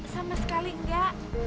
sama sekali enggak